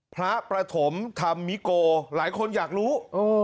พระประถมธรรมมิโกหลายคนอยากรู้